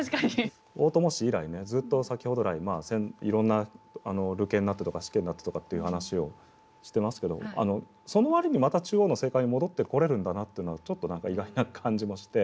大伴氏以来ねずっと先ほど来いろんな流刑になったとか死刑になったとかっていう話をしてますけどその割にまた中央の政界に戻ってこれるんだなというのはちょっと何か意外な感じもして。